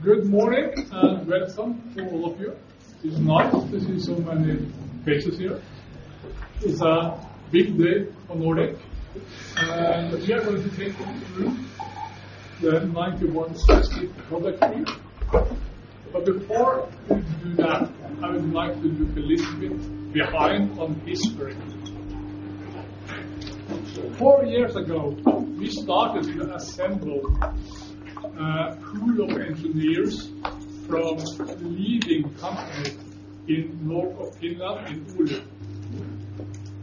Good morning and welcome to all of you. It's nice to see so many faces here. It's a big day for Nordic, we are going to take you through the nRF9160 product here. Before we do that, I would like to look a little bit behind on history. Four years ago, we started to assemble a pool of engineers from leading companies in north of Finland in Oulu.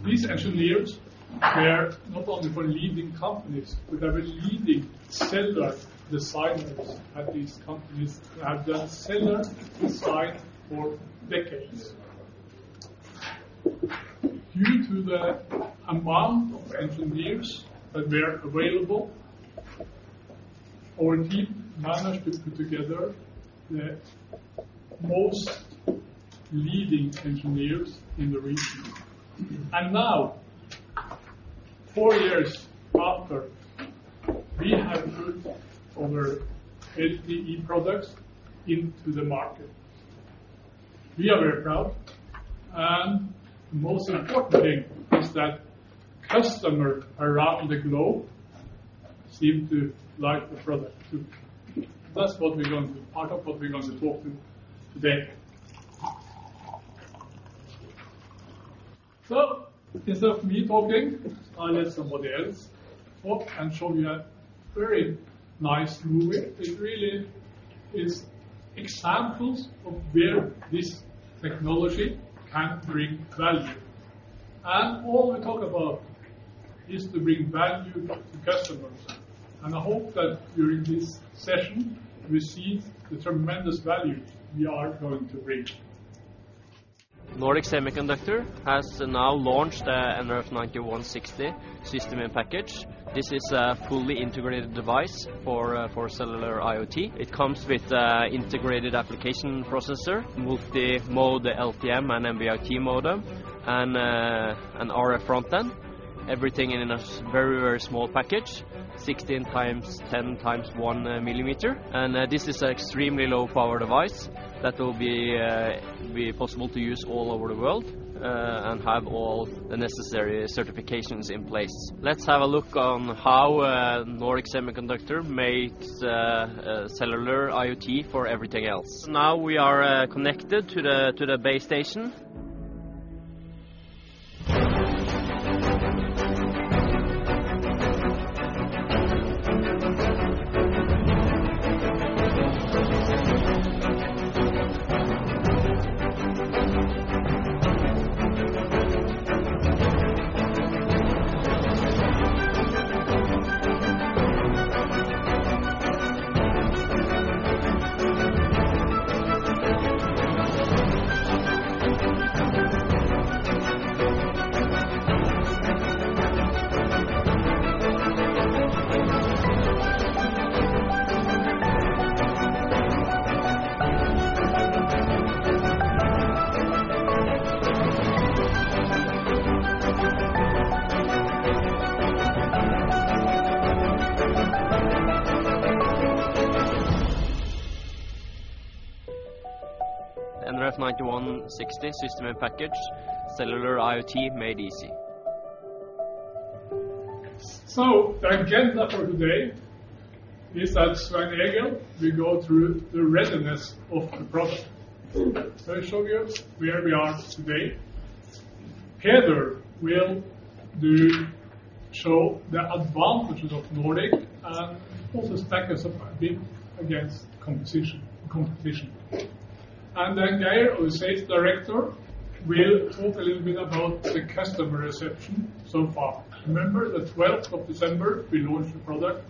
These engineers were not only from leading companies but were leading cellular design at these companies that have done cellular design for decades. Due to the amount of engineers that were available, our team managed to put together the most leading engineers in the region. Now, four years after, we have put our LTE products into the market. We are very proud and most important thing is that customers around the globe seem to like the product too. That's part of what we're going to talk to today. Instead of me talking, I let somebody else talk and show me a very nice movie. It really is examples of where this technology can bring value. All we talk about is to bring value to customers. I hope that during this session, we see the tremendous value we are going to bring. Nordic Semiconductor has now launched the nRF9160 System in Package. This is a fully integrated device for cellular IoT. It comes with integrated application processor, multi-mode LTE and NB-IoT modem, and an RF front end. Everything in a very small package, 16 times 10 times 1 millimeter. This is extremely low power device that will be possible to use all over the world, and have all the necessary certifications in place. Let's have a look on how Nordic Semiconductor makes cellular IoT for everything else. Now we are connected to the base station. nRF9160 System in Package, cellular IoT made easy. The agenda for today is that Svein-Egil will go through the readiness of the product. I show you where we are today. Heather will show the advantages of Nordic and also stack us up a bit against competition. Then Geir, our sales director, will talk a little bit about the customer reception so far. Remember the 12th of December, we launched the product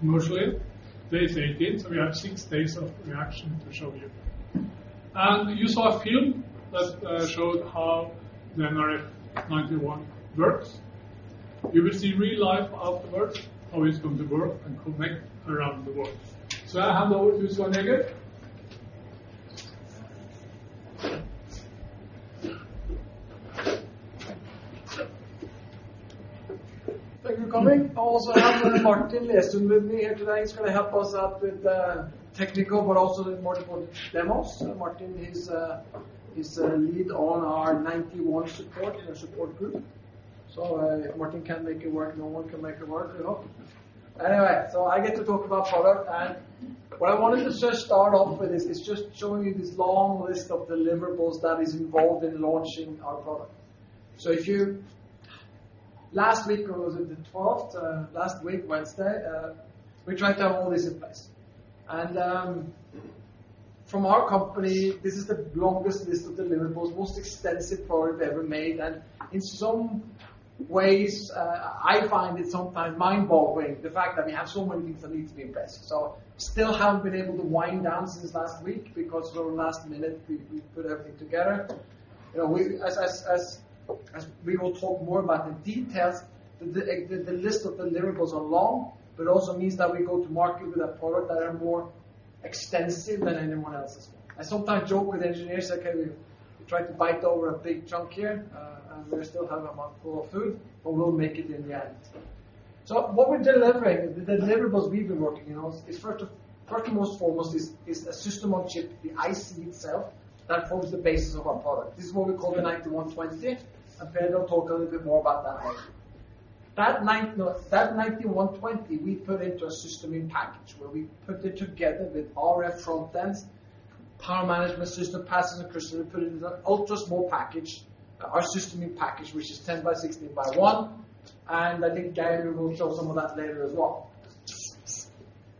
commercially. Today is the 18th, we have six days of reaction to show you. You saw a film that showed how the nRF91 works. You will see real life how it works, how it's going to work, and connect around the world. I hand over to Svein-Egil. Thank you for coming. I also have Martin Lesund with me here today. He's going to help us out with the technical, but also with multiple demos. Martin is a lead on our 91 support group. If Martin can't make it work, no one can make it work. I get to talk about product. What I wanted to just start off with is just showing you this long list of deliverables that is involved in launching our product. Last week, or was it the 12th, last week, Wednesday, we tried to have all this in place. From our company, this is the longest list of deliverables, most extensive product ever made. In some ways, I find it sometimes mind-blowing, the fact that we have so many things that need to be invested. Still haven't been able to wind down since last week because for the last minute we put everything together. As we will talk more about the details, the list of deliverables are long, but also means that we go to market with a product that are more extensive than anyone else's. I sometimes joke with engineers that we try to bite over a big chunk here, and we still have a mouthful of food, but we'll make it in the end. What we're delivering, the deliverables we've been working on is first and foremost is a system on chip, the IC itself, that forms the basis of our product. This is what we call the 9120. Petter will talk a little bit more about that later. That 9120, we put into a system in package where we put it together with RF front ends, power management system, passive crystal, we put it into an ultra small package. Our system in package, which is 10 by 16 by one, I think Gabriel will show some of that later as well.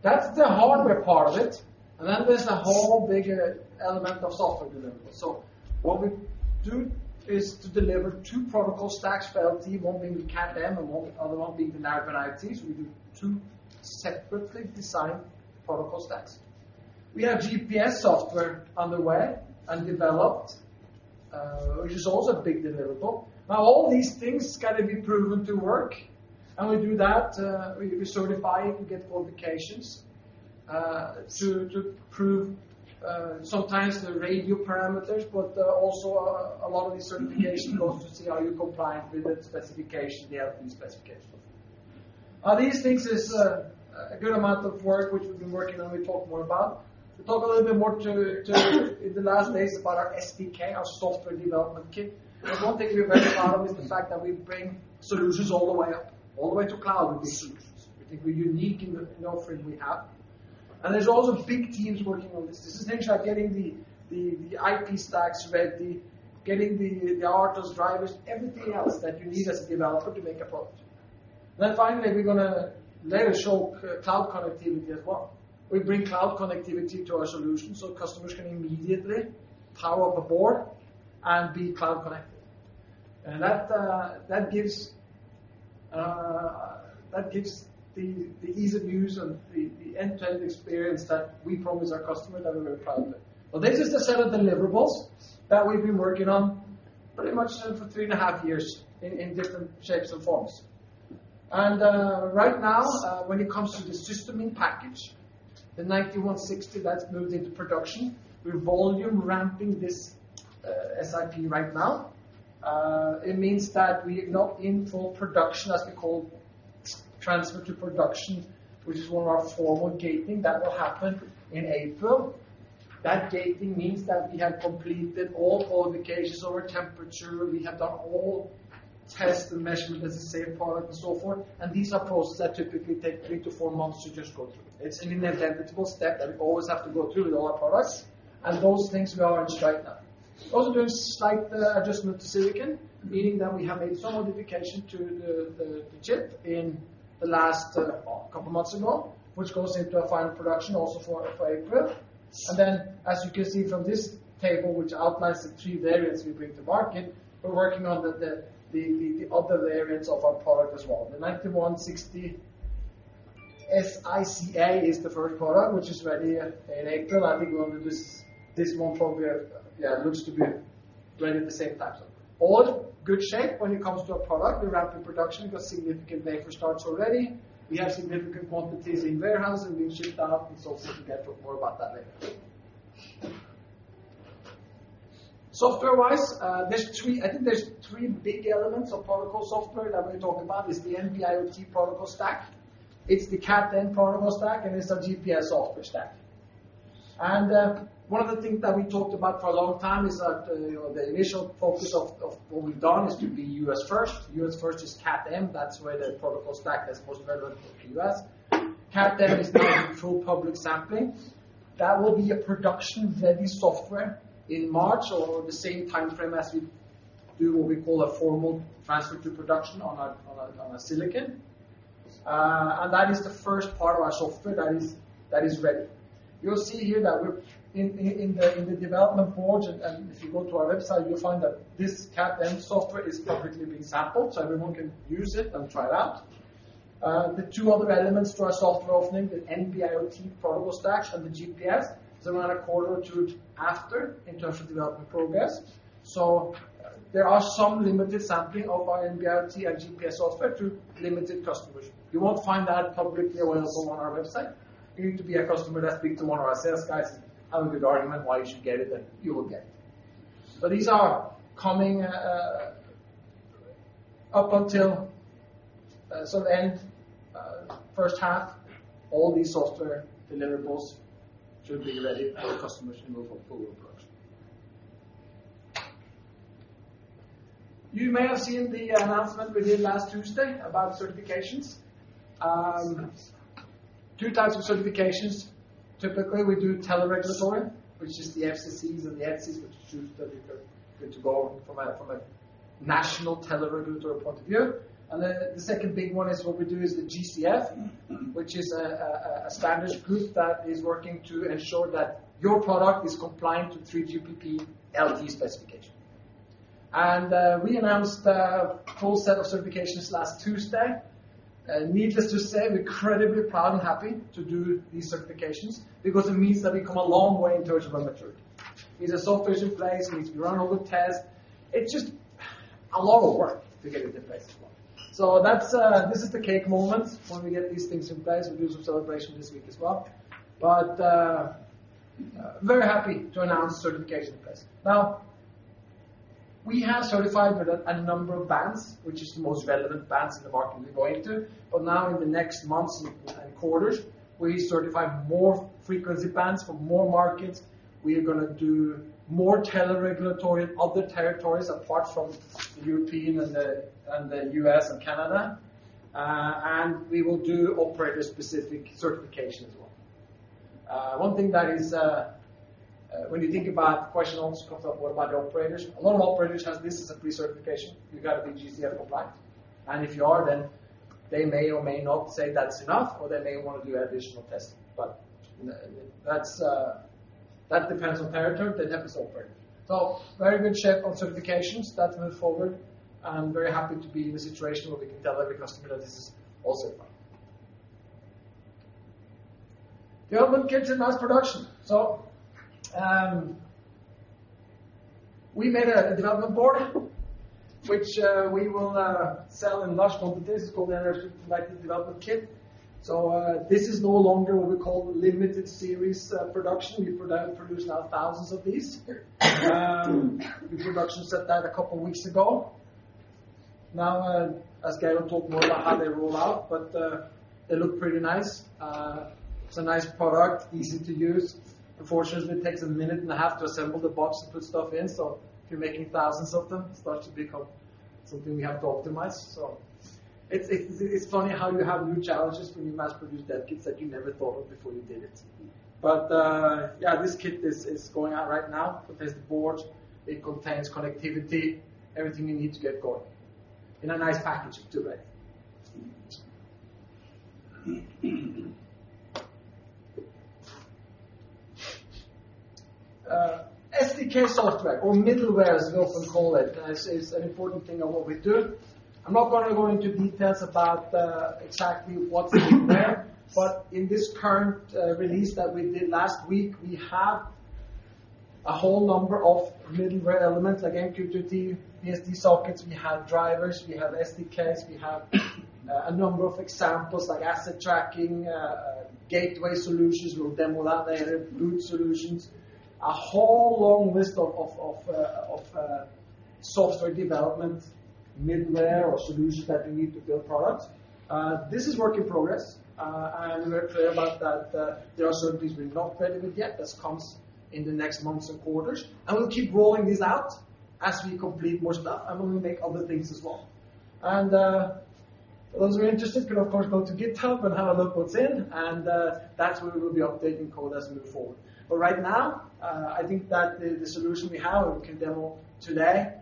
That's the hardware part of it, then there's a whole bigger element of software deliverable. What we do is to deliver two protocol stacks for LTE, one being the Cat M and the other one being the Narrowband IoT. We do two separately designed protocol stacks. We have GPS software underway and developed, which is also a big deliverable. All these things got to be proven to work, we do that, we certify it, we get qualifications, to prove sometimes the radio parameters, but also a lot of these certification goes to see are you compliant with the specification, the LTE specification. These things is a good amount of work, which we've been working on. We talk more about. We talk a little bit more to in the last days about our SDK, our software development kit. One thing we're very proud of is the fact that we bring solutions all the way up, all the way to cloud with these solutions. We think we're unique in the offering we have. There's also big teams working on this. This is essentially getting the IP stacks ready, getting the RTOS drivers, everything else that you need as a developer to make a product. Finally, we're going to later show cloud connectivity as well. We bring cloud connectivity to our solution so customers can immediately power up a board and be cloud connected. That gives the ease of use and the end-to-end experience that we promise our customers that we're very proud of it. Well, this is the set of deliverables that we've been working on pretty much for three and a half years in different shapes and forms. Right now, when it comes to the System in Package, the nRF9160 that's moved into production, we're volume ramping this SiP right now. It means that we're not in full production as we call transfer to production, which is one of our formal gating that will happen in April. That gating means that we have completed all qualifications over temperature, we have done all test and measurement as a safe product and so forth. These are posts that typically take three to four months to just go through. It's an inevitable step that we always have to go through with all our products and those things we are in strike now. Also doing slight adjustment to silicon, meaning that we have made some modification to the chip in the last couple months ago, which goes into a final production also for April. As you can see from this table, which outlines the three variants we bring to market, we're working on the other variants of our product as well. The 9160SICA is the first product, which is ready in April. I think this one probably, yeah, looks to be ready the same time. All good shape when it comes to a product. We ramp in production got significant wafer starts already. We have significant quantities in warehouse and being shipped out and so on. You can get more about that later. Software-wise, I think there's three big elements of protocol software that we're talking about, is the NB-IoT protocol stack. It's the Cat M protocol stack, and it's a GPS software stack. One of the things that we talked about for a long time is that, the initial focus of what we've done is to be U.S. first. U.S. first is Cat M. That's why the protocol stack that's most relevant for U.S. Cat M is now in full public sampling. That will be a production-ready software in March or the same timeframe as we do what we call a formal transfer to production on a silicon. That is the first part of our software that is ready. You'll see here that in the development board, and if you go to our website, you'll find that this Cat M software is publicly being sampled, so everyone can use it and try it out. The two other elements for our software offering, the NB-IoT protocol stacks and the GPS, is around a quarter or two after in terms of development progress. There are some limited sampling of our NB-IoT and GPS software to limited customers. You won't find that publicly available on our website. You need to be a customer that speak to one of our sales guys and have a good argument why you should get it, then you will get it. These are coming, up until sort of end first half, all these software deliverables should be ready, and customers can go for full production. You may have seen the announcement we did last Tuesday about certifications. Two types of certifications. Typically, we do teleregulatory, which is the FCCs and the CEs, which is typically good to go from a national teleregulatory point of view. Then the second big one is what we do is the GCF, which is a Spanish group that is working to ensure that your product is compliant to 3GPP LTE specification. We announced a full set of certifications last Tuesday. Needless to say, we're incredibly proud and happy to do these certifications because it means that we've come a long way in terms of our maturity. Means the software's in place, means we run all the tests. It's just a lot of work to get it in place as well. This is the cake moment when we get these things in place. We do some celebration this week as well. Very happy to announce certification in place. Now, we have certified with a number of bands, which is the most relevant bands in the market we're going to. Now in the next months and quarters, we certify more frequency bands for more markets. We are going to do more teleregulatory in other territories apart from European and the U.S. and Canada. We will do operator-specific certification as well. One thing that is, when you think about questions comes up: what about the operators? A lot of operators have this as a pre-certification. You've got to be GCF compliant. If you are, then they may or may not say that's enough, or they may want to do additional testing. That depends on territory, that depends on operator. Very good shape on certifications. That's moved forward. I'm very happy to be in a situation where we can tell every customer that this is all certified. Development kits in mass production. We made a development board, which we will sell in large quantities called the nRF connected development kit. This is no longer what we call limited series production. We produce now thousands of these. We production set that a couple of weeks ago. Now, as Kjetil talks more about how they roll out, they look pretty nice. It's a nice product, easy to use. Unfortunately, it takes a minute and a half to assemble the box to put stuff in. If you're making thousands of them, it starts to become something we have to optimize. It's funny how you have new challenges when you mass produce dev kits that you never thought of before you did it. Yeah, this kit is going out right now. It has the board, it contains connectivity, everything you need to get going, in a nice package too, right? SDK software or middleware, as we also call it, is an important thing of what we do. I'm not going to go into details about exactly what's in there, but in this current release that we did last week, we have a whole number of middleware elements. Again, MQTT, BSD sockets, we have drivers, we have SDKs, we have a number of examples like asset tracking, gateway solutions. We'll demo that later, route solutions, a whole long list of software development, middleware or solutions that you need to build products. This is work in progress. We're clear about that there are certain things we're not ready with yet. This comes in the next months and quarters. We'll keep rolling these out as we complete more stuff, and we'll make other things as well. Those who are interested can, of course, go to GitHub and have a look what's in, and that's where we will be updating code as we move forward. Right now, I think that the solution we have and we can demo today,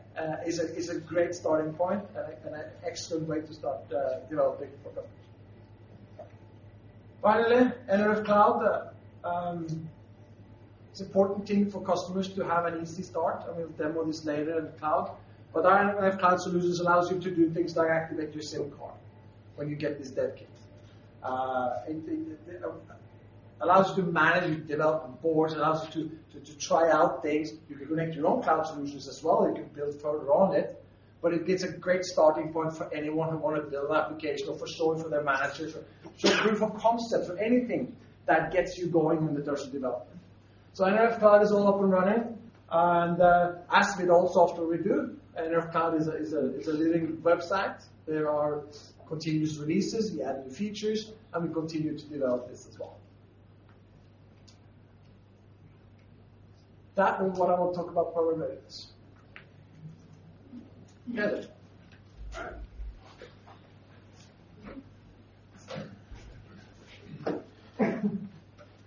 is a great starting point and an excellent way to start developing for customers. Finally, nRF Cloud. It's important thing for customers to have an easy start, and we'll demo this later in cloud. nRF Cloud solutions allows you to do things like activate your SIM card when you get this dev kit. It allows you to manage your development boards. It allows you to try out things. You can connect your own cloud solutions as well, and you can build further on it. It gives a great starting point for anyone who want to build application or for storing for their managers, or proof of concept for anything that gets you going in the journey of development. nRF Cloud is all up and running, and as with all software we do, nRF Cloud is a living website. There are continuous releases. We add new features, and we continue to develop this as well. That is what I want to talk about product updates. Kjetil. All right.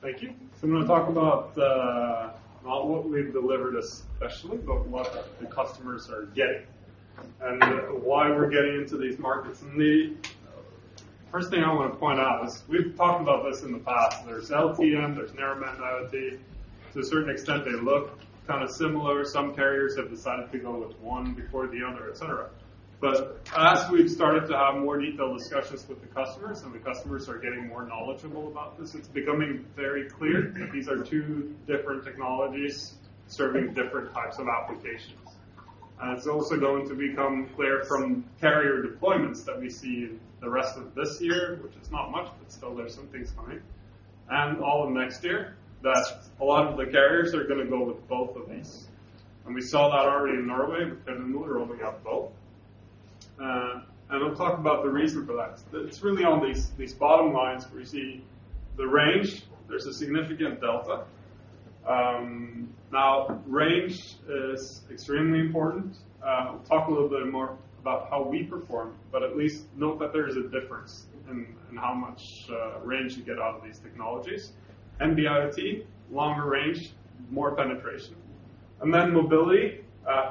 Thank you. I'm going to talk about, not what we've delivered especially, but what the customers are getting and why we're getting into these markets indeed. First thing I want to point out is, we've talked about this in the past. There's LTE-M, there's Narrowband IoT. To a certain extent, they look similar. Some carriers have decided to go with one before the other, et cetera. As we've started to have more detailed discussions with the customers, and the customers are getting more knowledgeable about this, it's becoming very clear that these are two different technologies serving different types of applications. It's also going to become clear from carrier deployments that we see the rest of this year, which is not much, but still there's some things coming, and all of next year, that a lot of the carriers are going to go with both of these. We saw that already in Norway with Telenor, they got both. I'll talk about the reason for that. It's really on these bottom lines where you see the range. There's a significant delta. Now, range is extremely important. We'll talk a little bit more about how we perform, but at least note that there is a difference in how much range you get out of these technologies. NB-IoT, longer range, more penetration. Then mobility,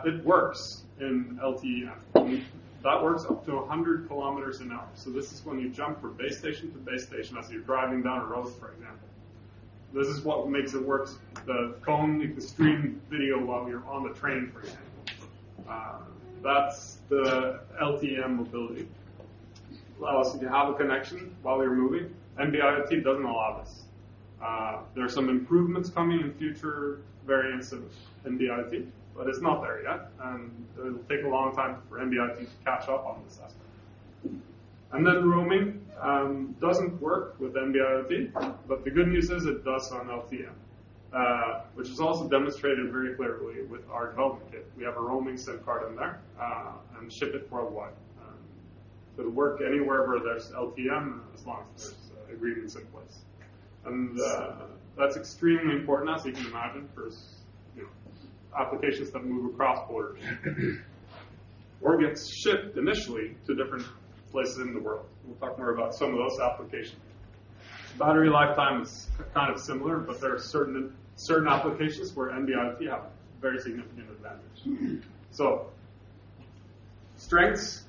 it works in LTE-M. That works up to 100 km an hour. This is when you jump from base station to base station as you're driving down a road, for example. This is what makes it work, the phone, the stream video while you're on the train, for example. That's the LTE-M mobility. Allows you to have a connection while you're moving. NB-IoT doesn't allow this. There are some improvements coming in future variants of NB-IoT, but it's not there yet, and it'll take a long time for NB-IoT to catch up on this aspect. Roaming doesn't work with NB-IoT, but the good news is it does on LTE-M, which is also demonstrated very clearly with our development kit. We have a roaming SIM card in there, and ship it worldwide. It'll work anywhere where there's LTE-M, as long as there's agreements in place. That's extremely important, as you can imagine, for applications that move across borders or get shipped initially to different places in the world. We'll talk more about some of those applications. Battery lifetime is similar, but there are certain applications where NB-IoT has a very significant advantage. Strengths,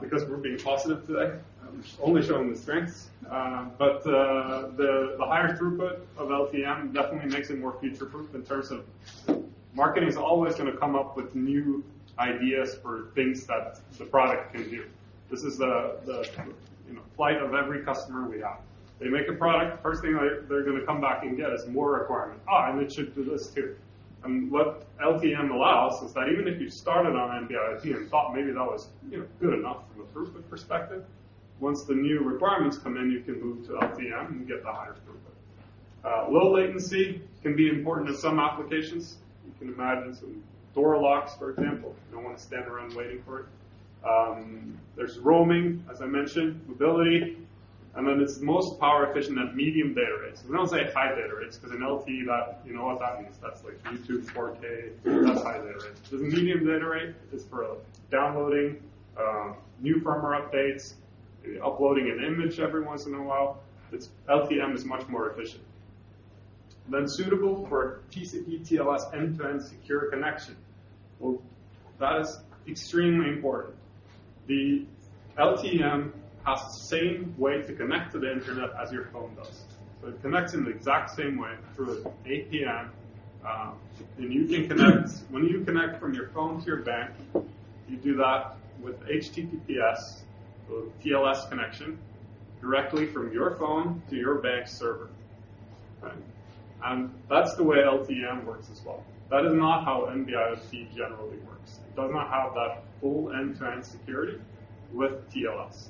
because we're being positive today, I'm only showing the strengths. The higher throughput of LTE-M definitely makes it more future-proof in terms of marketing's always going to come up with new ideas for things that the product can do. This is the plight of every customer we have. They make a product, first thing they're going to come back and get is more requirement. It should do this, too." What LTE-M allows is that even if you started on NB-IoT and thought maybe that was good enough from a throughput perspective, once the new requirements come in, you can move to LTE-M and get the higher throughput. Low latency can be important to some applications. You can imagine some door locks, for example. You don't want to stand around waiting for it. There's roaming, as I mentioned, mobility, and then it's most power efficient at medium data rates. We don't say high data rates because in LTE, you know what that means. That's like YouTube 4K. That's high data rate. This is medium data rate. This is for downloading new firmware updates, maybe uploading an image every once in a while. LTE-M is much more efficient. Suitable for TCP TLS end-to-end secure connection. That is extremely important. The LTE-M has the same way to connect to the internet as your phone does. It connects in the exact same way through an APN, and you can connect. When you connect from your phone to your bank, you do that with HTTPS or TLS connection directly from your phone to your bank server. Okay? That's the way LTE-M works as well. That is not how NB-IoT generally works. It does not have that full end-to-end security with TLS.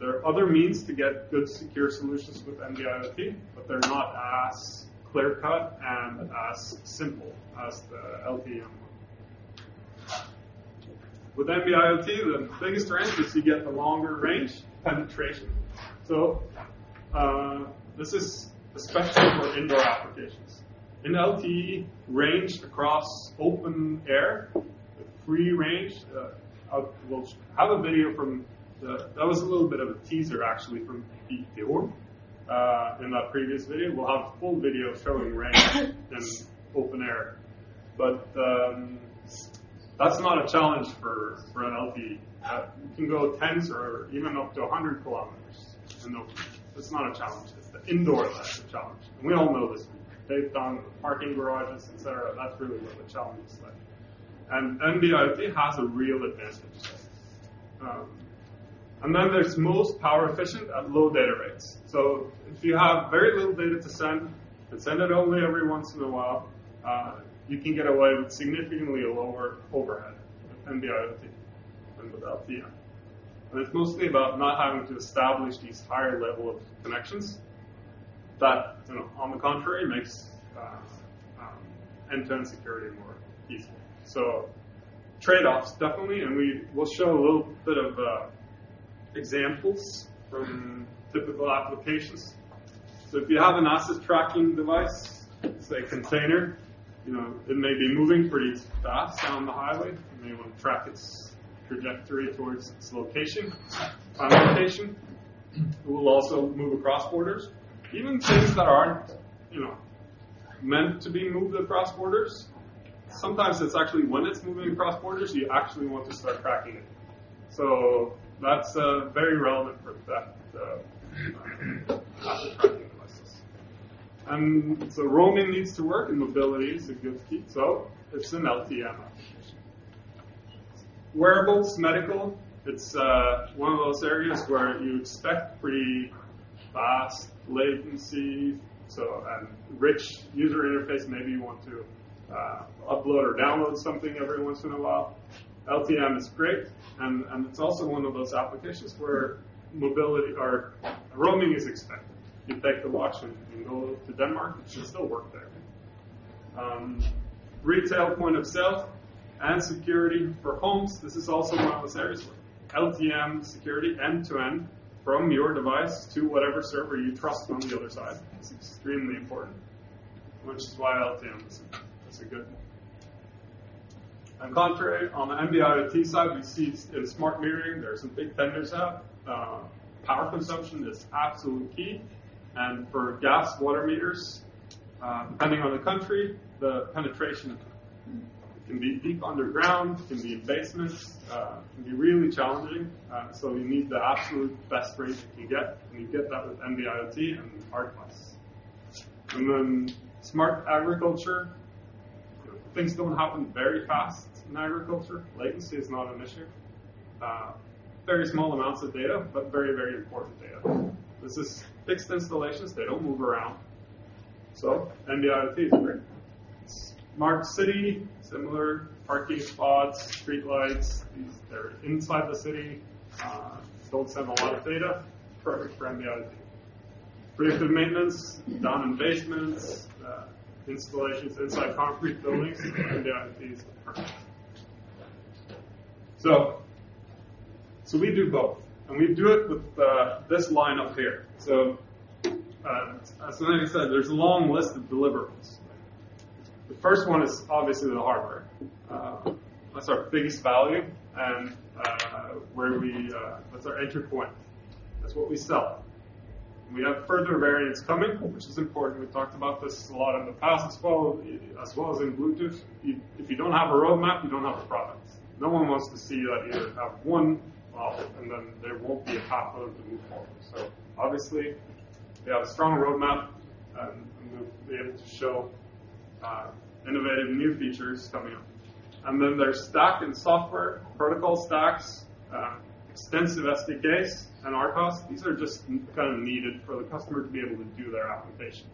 There are other means to get good secure solutions with NB-IoT, but they're not as clear-cut and as simple as the LTE-M one. With NB-IoT, the biggest range is you get the longer range penetration. This is especially for indoor applications. In LTE range across open air with free range, we have a video from Pete de Orm. That was a little bit of a teaser, actually. In that previous video, we'll have a full video showing range in open air. That's not a challenge for an LTE. You can go tens or even up to 100 kilometers. It's not a challenge. It's the indoor that's the challenge. We all know this. They've done parking garages, et cetera. That's really where the challenge is. NB-IoT has a real advantage there. There's most power efficient at low data rates. If you have very little data to send and send it only every once in a while, you can get away with significantly lower overhead with NB-IoT than with LTE-M. It's mostly about not having to establish these higher level of connections. On the contrary, makes end-to-end security more peaceful. Trade-offs, definitely, and we will show a little bit of examples from typical applications. If you have an asset tracking device, say, a container, it may be moving pretty fast down the highway. You may want to track its trajectory towards its location, final location. It will also move across borders. Even things that aren't meant to be moved across borders, sometimes it's actually when it's moving across borders, you actually want to start tracking it. That's very relevant for that asset tracking devices. Roaming needs to work, and mobility is a good feat, so it's an LTE-M application. Wearables, medical, it's one of those areas where you expect pretty fast latency, and rich user interface. Maybe you want to upload or download something every once in a while. LTE-M is great, and it's also one of those applications where mobility or roaming is expected. You take the watch when you go to Denmark, it should still work there. Retail point of sale and security for homes, this is also one of those areas where LTE-M security end-to-end from your device to whatever server you trust on the other side is extremely important, which is why LTE-M is a good one. Contrary, on the NB-IoT side, we see in smart metering, there are some big vendors out. Power consumption is absolute key. For gas, water meters, depending on the country, the penetration can be deep underground, can be in basements, can be really challenging. You need the absolute best range that you can get, and you get that with NB-IoT and Hard Pass. Smart agriculture. Things don't happen very fast in agriculture. Latency is not an issue. Very small amounts of data, but very important data. This is fixed installations. They don't move around. NB-IoT is great. Smart city, similar parking spots, streetlights. These are inside the city, don't send a lot of data, perfect for NB-IoT. Preventive maintenance, down in basements, installations inside concrete buildings, NB-IoT is perfect. We do both, and we do it with this line up here. As Svein said, there's a long list of deliverables. The first one is obviously the hardware. That's our biggest value and that's our entry point. That's what we sell. We have further variants coming, which is important. We've talked about this a lot in the past as well, as well as in Bluetooth. If you don't have a roadmap, you don't have a product. No one wants to see that you have one model and then there won't be a path of the new model. Obviously, we have a strong roadmap, and we'll be able to show innovative new features coming up. There's stack and software, protocol stacks, extensive SDKs, and RTOS. These are just kind of needed for the customer to be able to do their application.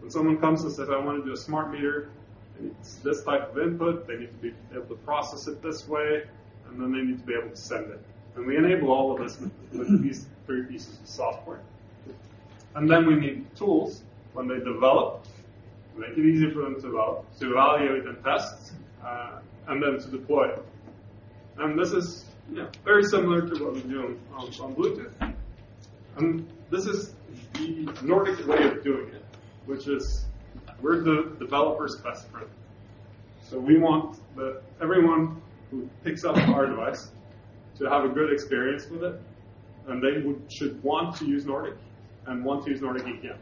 When someone comes and says, "I want to do a smart meter," it needs this type of input, they need to be able to process it this way, and then they need to be able to send it. We enable all of this with these three pieces of software. We need tools when they develop. We make it easy for them to develop, to evaluate and test, and then to deploy. This is very similar to what we do on Bluetooth. This is the Nordic way of doing it, which is we're the developer's best friend. We want everyone who picks up our device to have a good experience with it, and they should want to use Nordic and want to use Nordic again.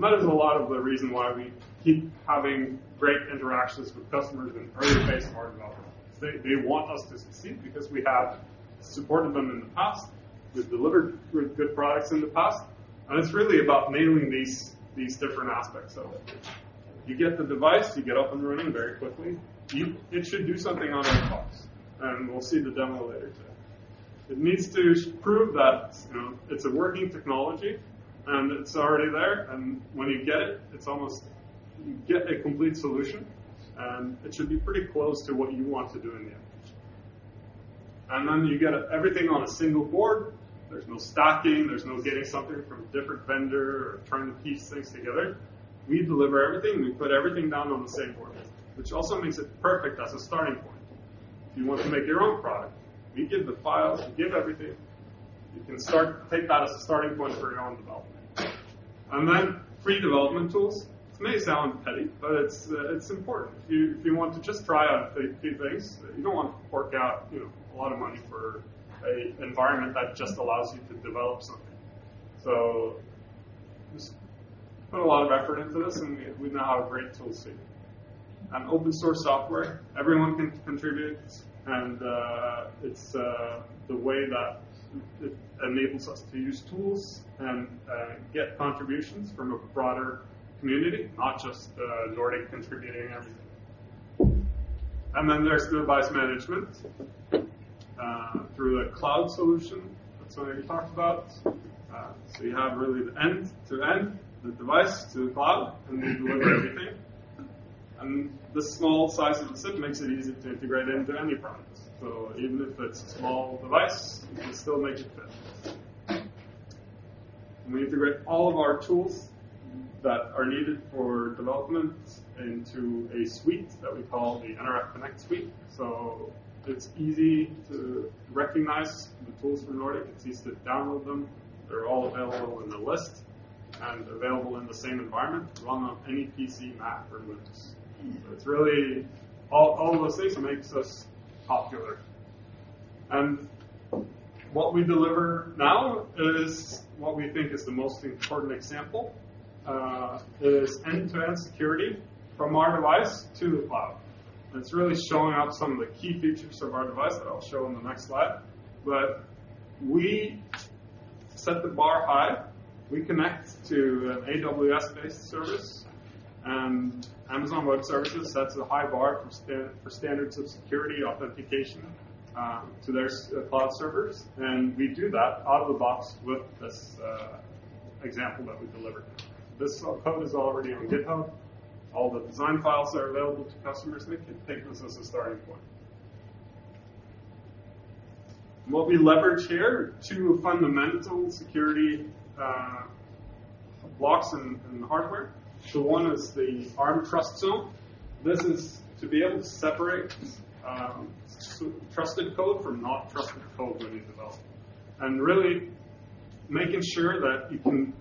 That is a lot of the reason why we keep having great interactions with customers in early phase of our development. They want us to succeed because we have supported them in the past. We've delivered good products in the past, and it's really about nailing these different aspects of it. You get the device, you get up and running very quickly. It should do something out of the box, and we'll see the demo later today. It needs to prove that it's a working technology and it's already there, and when you get it, you get a complete solution, and it should be pretty close to what you want to do in the end. You get everything on a single board. There's no stacking. There's no getting something from a different vendor or trying to piece things together. We deliver everything. We put everything down on the same board, which also makes it perfect as a starting point. If you want to make your own product, we give the files, we give everything. You can take that as a starting point for your own development. Free development tools. This may sound petty, but it's important. If you want to just try out a few things, you don't want to fork out a lot of money for an environment that just allows you to develop something. Just put a lot of effort into this, and we now have a great tool suite. Open-source software, everyone can contribute, and it's the way that it enables us to use tools and get contributions from a broader community, not just Nordic contributing everything. There's device management through a cloud solution that Svein-Egil talked about. You have really the end-to-end, the device to the cloud, and we deliver everything. The small size of the SiP makes it easy to integrate into any product. Even if it's a small device, you can still make it fit. We integrate all of our tools that are needed for development into a suite that we call the nRF Connect suite. It's easy to recognize the tools from Nordic. It's easy to download them. They're all available in the list and available in the same environment to run on any PC, Mac, or Linux. It's really all of those things makes us popular. What we deliver now is what we think is the most important example, is end-to-end security from our device to the cloud. It's really showing up some of the key features of our device that I'll show in the next slide. We set the bar high. We connect to an AWS-based service, Amazon Web Services sets a high bar for standards of security authentication to their cloud servers. We do that out of the box with this example that we deliver. This code is already on GitHub. All the design files are available to customers. They can take this as a starting point. What we leverage here, two fundamental security blocks in the hardware. One is the Arm TrustZone. This is to be able to separate trusted code from not trusted code when you develop. Really making sure that you can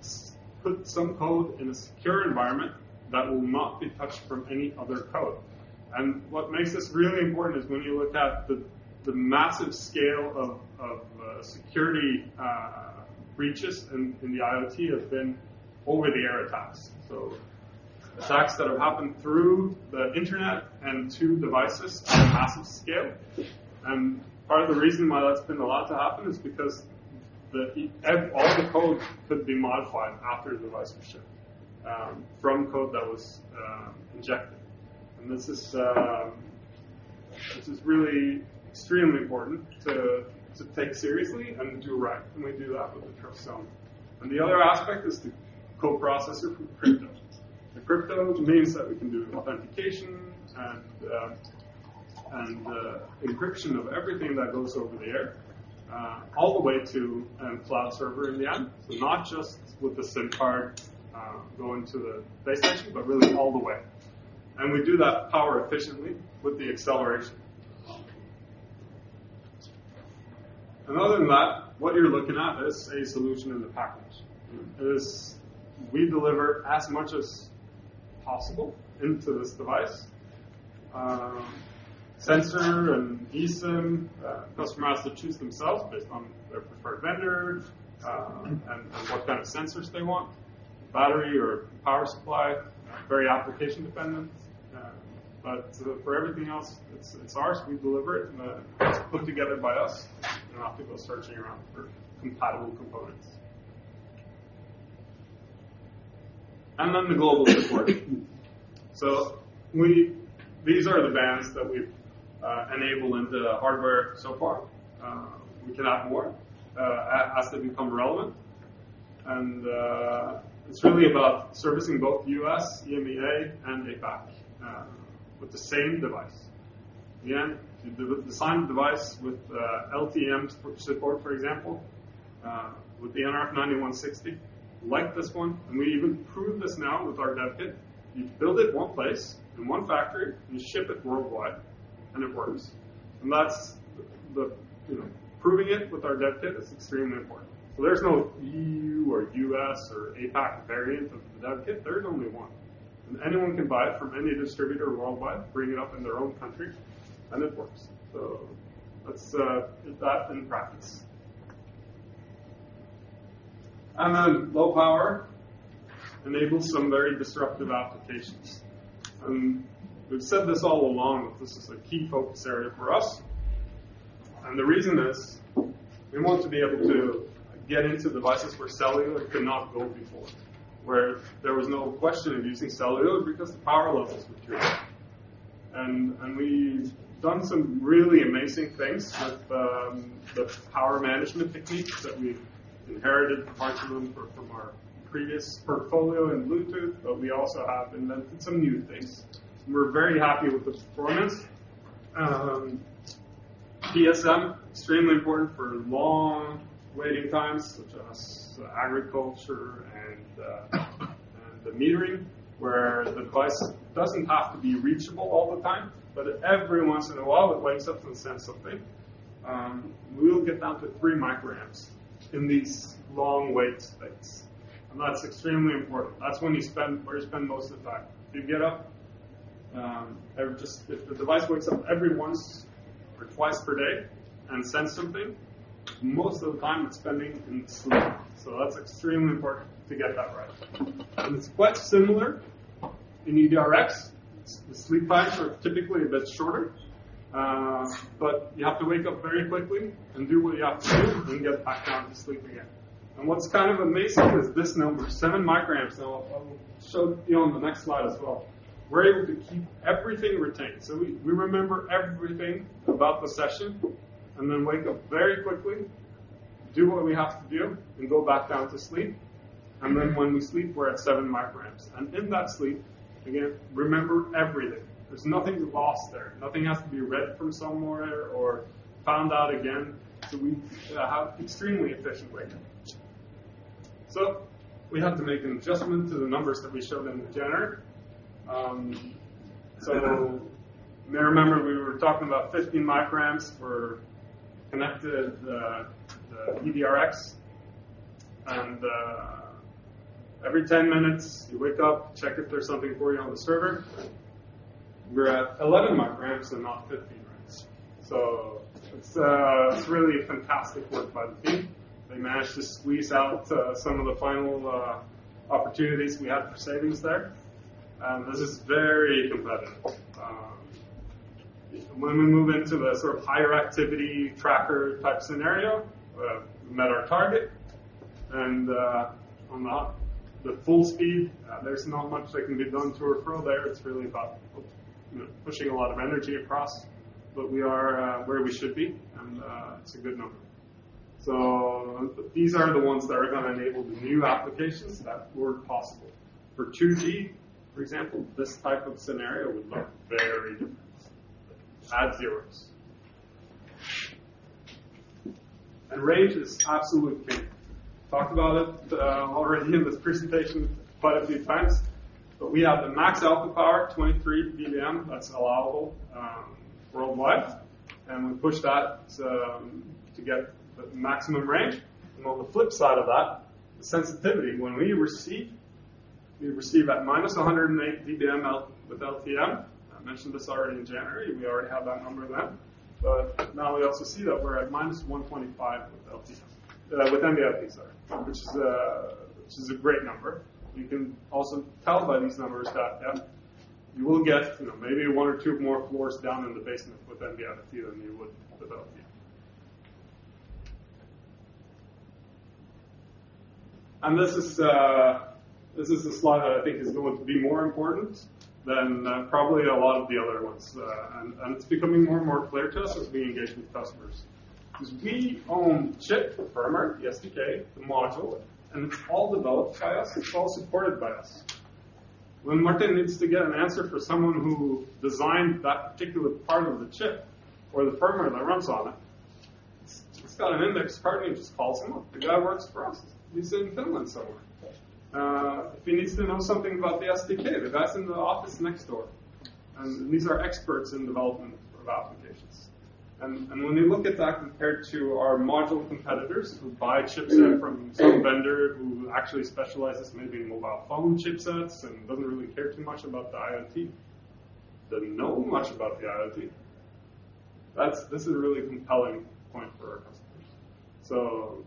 put some code in a secure environment that will not be touched from any other code. What makes this really important is when you look at the massive scale of security breaches in the IoT have been over-the-air attacks. Attacks that have happened through the internet and to devices on a massive scale. Part of the reason why that's been allowed to happen is because all the code could be modified after the device was shipped from code that was injected. This is really extremely important to take seriously and do right, and we do that with the TrustZone. The other aspect is the co-processor for crypto. Crypto means that we can do authentication and encryption of everything that goes over the air, all the way to a cloud server in the end. Not just with the SIM card going to the base station, but really all the way. We do that power efficiently with the acceleration. Other than that, what you're looking at is a solution in the package. We deliver as much as possible into this device. Sensor and eSIM, customers have to choose themselves based on their preferred vendors and what kind of sensors they want. Battery or power supply, very application dependent. For everything else, it's ours, we deliver it, and it's put together by us. You don't have to go searching around for compatible components. The global support. These are the bands that we've enabled into the hardware so far. We can add more as they become relevant. It's really about servicing both U.S., EMEA, and APAC with the same device. Again, the signed device with LTE-M support, for example, with the nRF9160, like this one, we even proved this now with our dev kit. You build it one place in one factory, you ship it worldwide, and it works. Proving it with our dev kit is extremely important. There's no EU or U.S. or APAC variant of the dev kit. There is only one, and anyone can buy it from any distributor worldwide, bring it up in their own country, and it works. That's that in practice. Low power enables some very disruptive applications. We've said this all along, that this is a key focus area for us. The reason is we want to be able to get into devices where cellular could not go before, where there was no question of using cellular because the power levels were too high. We've done some really amazing things with the power management techniques that we inherited parts of them from our previous portfolio in Bluetooth, but we also have invented some new things. We're very happy with the performance. PSM, extremely important for long waiting times, such as agriculture and the metering, where the device doesn't have to be reachable all the time, but every once in a while, it wakes up and sends something. We will get down to three microamps in these long wait states. That's extremely important. That's where you spend most of the time. If the device wakes up every once or twice per day and sends something, most of the time it's spending in sleep. That's extremely important to get that right. It's quite similar in eDRX. The sleep times are typically a bit shorter. You have to wake up very quickly and do what you have to do and get back down to sleep again. What's kind of amazing is this number, seven microamps. I will show you on the next slide as well. We're able to keep everything retained. We remember everything about the session and wake up very quickly, do what we have to do, and go back down to sleep. When we sleep, we're at seven microamps. In that sleep, again, remember everything. There's nothing lost there. Nothing has to be read from somewhere or found out again. We have extremely efficient wake-ups. We had to make an adjustment to the numbers that we showed in January. You may remember we were talking about 15 microamps for connected eDRX. Every 10 minutes, you wake up, check if there's something for you on the server. We're at 11 microamps and not 15 microamps. It's really fantastic work by the team. They managed to squeeze out some of the final opportunities we had for savings there. This is very competitive. When we move into the higher activity tracker type scenario, we've met our target. On the full speed, there's not much that can be done to or fro there. It's really about pushing a lot of energy across. We are where we should be, and it's a good number. These are the ones that are going to enable the new applications that weren't possible. For 2G, for example, this type of scenario would look very different. Add zeros. Range is absolutely key. Talked about it already in this presentation quite a few times. We have the max output power, 23dBm, that's allowable worldwide. We push that to get the maximum range. On the flip side of that, the sensitivity. When we receive, we receive at -108dBm with LTM. I mentioned this already in January. We already have that number then. Now we also see that we're at -125dBm with MFPS, sorry, which is a great number. You can also tell by these numbers that you will get maybe one or two more floors down in the basement with NB-IoT than you would. This is a slide that I think is going to be more important than probably a lot of the other ones. It's becoming more and more clear to us as we engage with customers, because we own the chip, the firmware, the SDK, the module, and it's all developed by us. It's all supported by us. When Martin needs to get an answer for someone who designed that particular part of the chip or the firmware that runs on it, he's got an indexed party and just calls him up. The guy works for us. He's in Finland somewhere. If he needs to know something about the SDK, that's in the office next door. These are experts in development of applications. When we look at that compared to our module competitors who buy chip set from some vendor who actually specializes maybe in mobile phone chip sets and doesn't really care too much about the IoT, doesn't know much about the IoT, this is a really compelling point for our customers.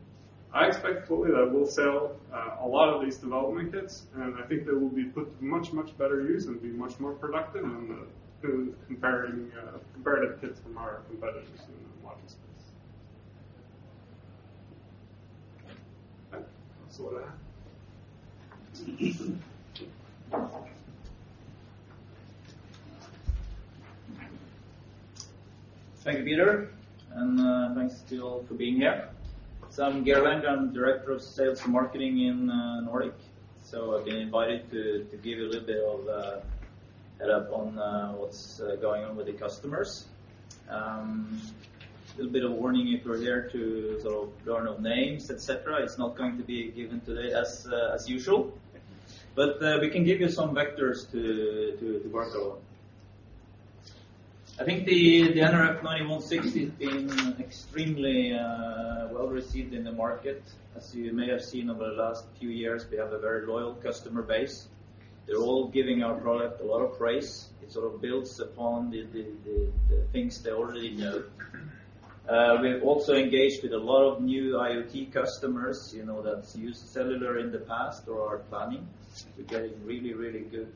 I expect fully that we'll sell a lot of these development kits, and I think they will be put to much, much better use and be much more productive than the comparative kits from our competitors in the module space. That's all I have. Thank you, Peter, and thanks to you all for being here. I'm Geir. I'm Director of Sales and Marketing in Nordic. I've been invited to give you a little bit of a head up on what's going on with the customers. Little bit of warning if you're here to learn of names, et cetera. It's not going to be given today as usual. We can give you some vectors to work along. I think the nRF9160 has been extremely well-received in the market. You may have seen over the last few years, we have a very loyal customer base. They're all giving our product a lot of praise. It sort of builds upon the things they already know. We have also engaged with a lot of new IoT customers that's used cellular in the past or are planning. We're getting really, really good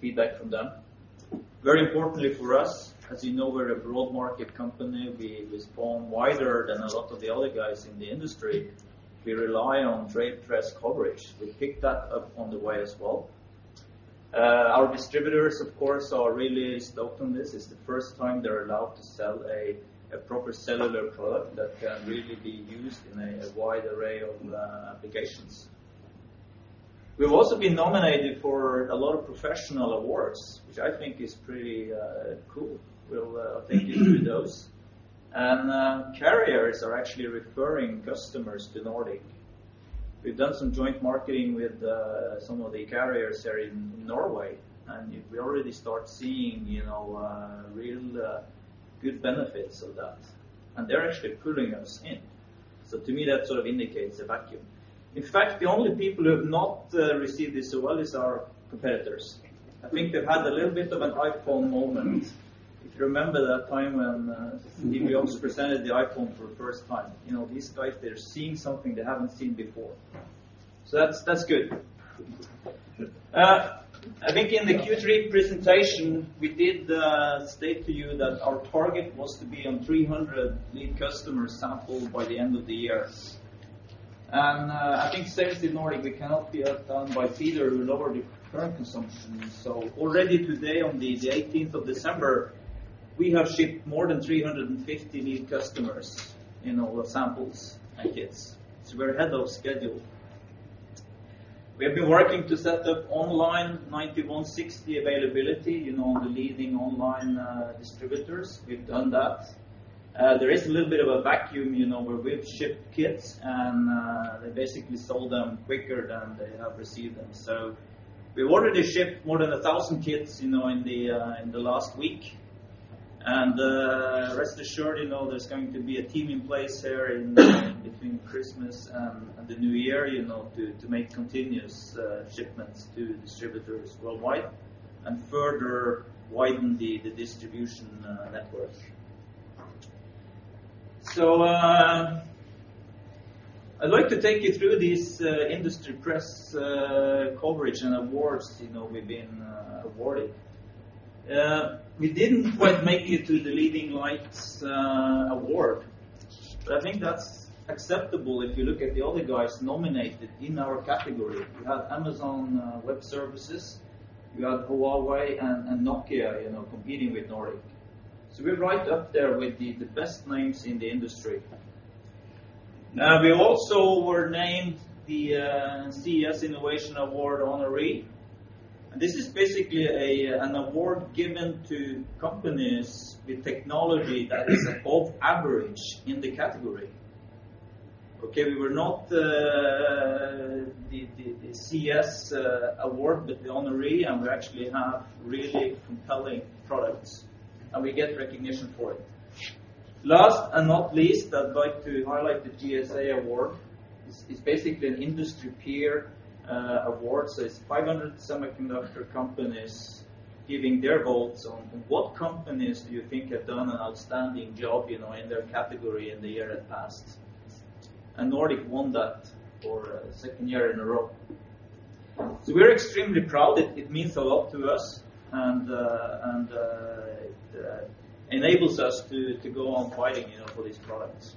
feedback from them. Very importantly for us, as you know, we're a broad market company. We're spawned wider than a lot of the other guys in the industry. We rely on trade press coverage. We picked that up on the way as well. Our distributors, of course, are really stoked on this. It's the first time they're allowed to sell a proper cellular product that can really be used in a wide array of applications. We've also been nominated for a lot of professional awards, which I think is pretty cool. We'll take you through those. Carriers are actually referring customers to Nordic. We've done some joint marketing with some of the carriers here in Norway, we already start seeing real good benefits of that, they're actually pulling us in. To me, that sort of indicates a vacuum. In fact, the only people who have not received this so well is our competitors. I think they've had a little bit of an iPhone moment. If you remember that time when Steve Jobs presented the iPhone for the first time. These guys, they're seeing something they haven't seen before. That's good. I think in the Q3 presentation, we did state to you that our target was to be on 300 lead customer samples by the end of the year. I think safely Nordic, we cannot be outdone by either lower the current consumption. Already today, on the 18th of December, we have shipped more than 350 lead customers in our samples and kits. We're ahead of schedule. We have been working to set up online 9160 availability, the leading online distributors. We've done that. There is a little bit of a vacuum where we've shipped kits, and they basically sold them quicker than they have received them. We've already shipped more than 1,000 kits in the last week. Rest assured, there's going to be a team in place here in between Christmas and the New Year to make continuous shipments to distributors worldwide and further widen the distribution network. I'd like to take you through these industry press coverage and awards we've been awarded. We didn't quite make it to the Leading Lights Awards, but I think that's acceptable if you look at the other guys nominated in our category. We had Amazon Web Services, we had Huawei, and Nokia competing with Nordic. We're right up there with the best names in the industry. Now, we also were named the CES Innovation Award Honoree, and this is basically an award given to companies with technology that is above average in the category. Okay. We were not the CES award, but the honoree, and we actually have really compelling products, and we get recognition for it. Last and not least, I'd like to highlight the GSA Award. It's basically an industry peer award. It's 500 semiconductor companies giving their votes on what companies do you think have done an outstanding job in their category in the year that passed. Nordic won that for a second year in a row. We're extremely proud. It means a lot to us and enables us to go on fighting for these products.